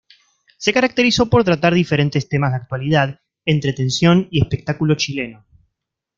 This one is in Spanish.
Se caracterizó por tratar diferentes temas de actualidad, entretención y espectáculo chileno.